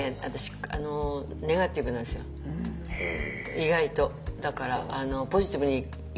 意外と。